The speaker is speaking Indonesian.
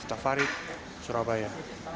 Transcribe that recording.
dari tafarik surabaya